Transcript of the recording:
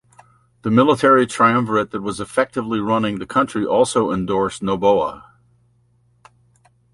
The military triumvirate that was effectively running the country also endorsed Noboa.